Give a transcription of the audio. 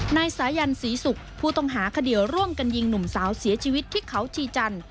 นายสายันศรีศุกร์ผู้ต้องหาคดีร่วมกันยิงหนุ่มสาวเสียชีวิตที่เขาชีจันทร์